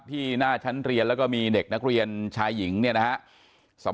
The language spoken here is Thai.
ที่หน้าชั้นเรียนแล้วก็มีเด็กนักเรียนชายหญิงเนี่ยนะฮะ